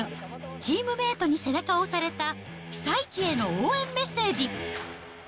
チームメートに背中を押された被災地への応援メッセージ。